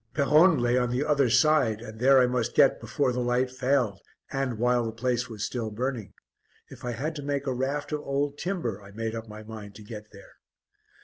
Peronne lay on the other side and there I must get before the light failed and while the place was still burning; if I had to make a raft of old timber I made up my mind to get there.